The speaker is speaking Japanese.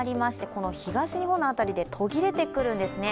この東日本の辺りで途切れてくるんですね。